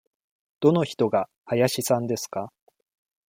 どの人が林さんですか。